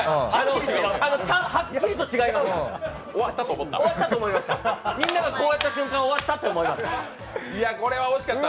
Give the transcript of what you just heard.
はっきりと違いました。